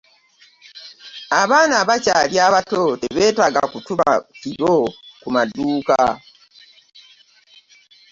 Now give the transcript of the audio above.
Abaana bakyali bato tebeetaaga kutuma kiro ku maduuka.